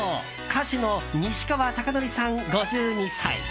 歌手の西川貴教さん、５２歳。